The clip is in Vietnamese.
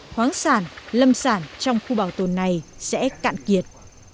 khoáng sản lâm sản trong khu bảo tồn này sẽ cạn kiệt